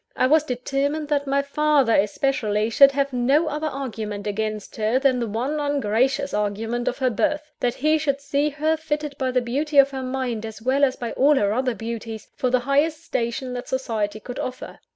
I was determined that my father, especially, should have no other argument against her than the one ungracious argument of her birth that he should see her, fitted by the beauty of her mind, as well as by all her other beauties, for the highest station that society could offer.